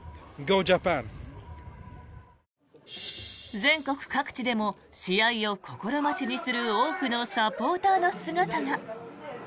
全国各地でも試合を心待ちにする多くのサポーターの姿が。